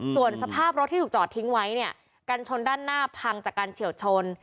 ส่วนสภาพรถที่ถูกจอดทิ้งไว้เนี่ยกันชนด้านหน้าพังจากการเฉียวชน